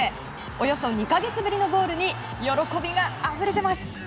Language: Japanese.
およそ２か月ぶりのゴールに喜びがあふれてます。